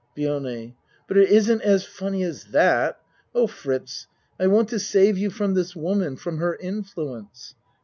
LIONE But it isn't as funny as that. Oh, Fritz, I want to save you from this woman, from her in fluence.